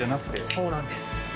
そうなんです。